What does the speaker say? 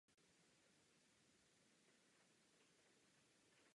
Vodní doprava je možná při velké vodě.